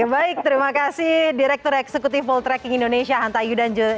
baik terima kasih direktur eksekutif vault tracking indonesia hanta ayudhan